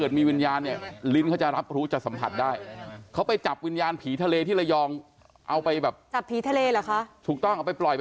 เป็นวิธีสัมผัสวิญญาณ